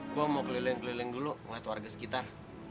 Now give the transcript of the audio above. gue mau keliling keliling dulu melihat warga sekitar